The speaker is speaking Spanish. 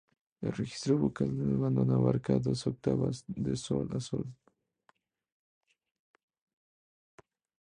El registro vocal de Madonna abarca dos octavas, de "sol" a "sol".